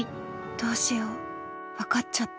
どうしよう分かっちゃった。